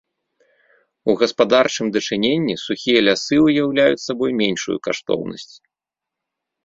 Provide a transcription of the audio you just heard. У гаспадарчым дачыненні сухія лясы ўяўляюць сабой меншую каштоўнасць.